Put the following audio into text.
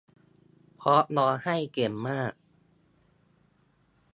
เพราะร้องไห้เก่งมาก